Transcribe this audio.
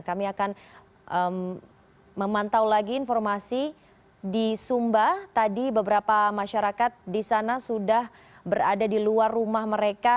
kami akan memantau lagi informasi di sumba tadi beberapa masyarakat di sana sudah berada di luar rumah mereka